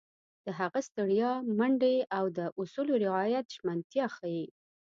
د هغه ستړیا، منډې او د اصولو رعایت ژمنتیا ښيي.